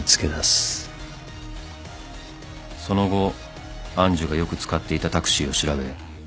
［その後愛珠がよく使っていたタクシーを調べ